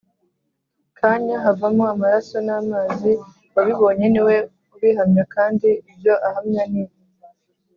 kanya havamo amaraso n amazi Uwabibonye ni we ubihamya kandi ibyo ahamya ni